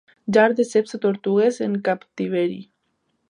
Llar de serps o tortugues en captiveri.